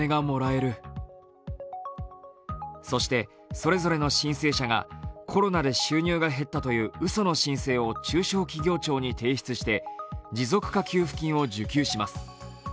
そして、それぞれの申請者がコロナで収入が減ったといううその申請を中小企業庁に提出して持続化給付金を受給します。